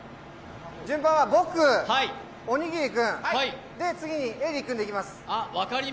順番は僕、おにぎり君、次にＥＬＬＹ君でいきます。